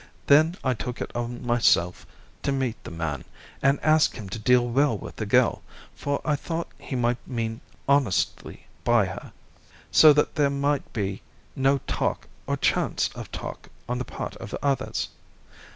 Then I took it on myself to meet the man and ask him to deal well with the girl, for I thought he might mean honestly by her, so that there might be no talk or chance of talk on the part of others.